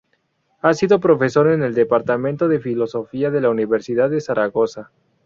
Ha sido profesor en el departamento de Filosofía de la Universidad de Zaragoza.